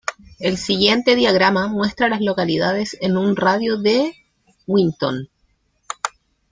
El siguiente diagrama muestra a las localidades en un radio de de Winton.